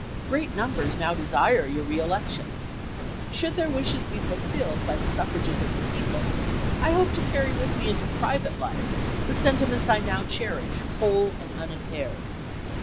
Great numbers now chaee desire your reelection. Should their wishes be fulfilled ^\^x^^^^' by the suffrages of the people, I hope to carry with me ^^^l^^\\ into private life the sentiments I now cherish, whole and ms. unimpaired.